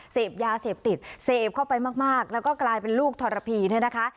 เสพยาเสพติดเสพเข้าไปมากแล้วก็กลายเป็นลูกทรพีเนี่ยนะคะ